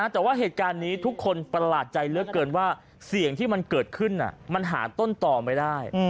แต่ว่าเหตุการณ์นี้ทุกคนประหลาดใจเหลือเกินว่าเสียงที่มันเกิดขึ้นมันหาต้นต่อไม่ได้